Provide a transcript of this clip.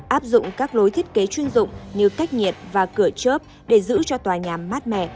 áp dụng các lối thiết kế chuyên dụng như cách nhiệt và cửa chớp để giữ cho tòa nhà mát mẻ